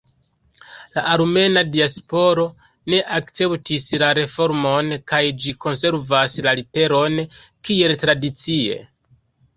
La armena diasporo ne akceptis la reformon kaj ĝi konservas la literon kiel tradicie.